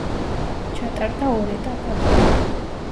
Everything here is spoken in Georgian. ჩატარდა ორ ეტაპად.